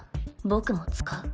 僕も使う